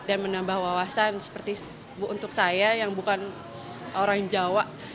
dan menambah wawasan seperti untuk saya yang bukan orang jawa